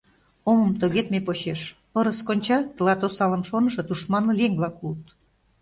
Омым тогедме почеш: пырыс конча — тылат осалым шонышо, тушманле еҥ-влак улыт.